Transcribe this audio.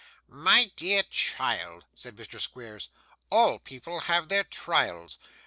'My dear child,' said Mr. Squeers, 'all people have their trials.